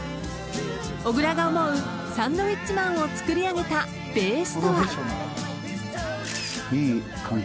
［小倉が思うサンドウィッチマンをつくり上げたベースとは？］